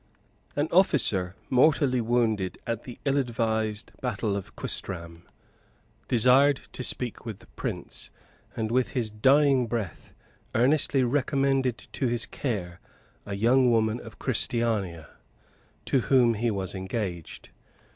An officer, mortally wounded at the ill advised battle of Quistram, desired to speak with the prince; and with his dying breath, earnestly recommended to his care a young woman of Christiania, to whom he was engaged.